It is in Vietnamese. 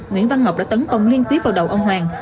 nguyễn văn ngọc đã tấn công liên tiếp vào đầu ông hoàng